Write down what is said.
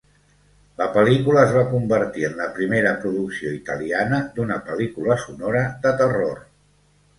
La pel·lícula es va convertir en la primera producció italiana d'una pel·lícula sonora de terror.